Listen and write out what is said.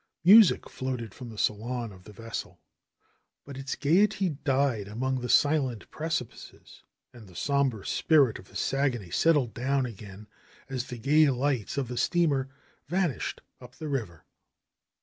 Music floated from the salon of the vessel, but its gayety died among the silent precipices. And the somber spirit of the Saguenay settled down again as the gay lights of the steamer vanished up the river.